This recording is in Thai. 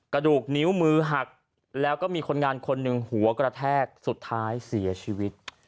กระดูกนิ้วมือหักแล้วก็มีคนงานคนหนึ่งหัวกระแทกสุดท้ายเสียชีวิต